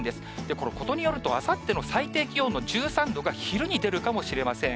これ、ことによると、あさっての最低気温の１３度が昼に出るかもしれません。